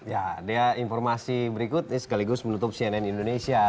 ya dia informasi berikutnya sekaligus menutup cnn indonesia